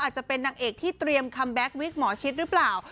จะเป็นนางเอกที่เตรียมคัมแก๊กวิกหมอชิดหรือเปล่า